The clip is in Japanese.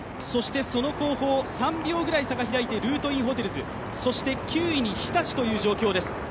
その後方３秒くらい差が開いてルートインホテルズ、９位に日立という状況です。